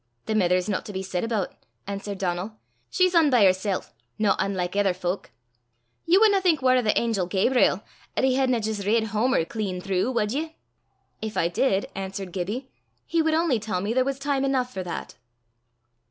"The mither's no to be said aboot," answerd Donal. "She's ane by hersel', no ane like ither fowk. Ye wadna think waur o' the angel Gabriel 'at he hedna jist read Homer clean throu', wad ye?" "If I did," answered Gibbie, "he would only tell me there was time enough for that."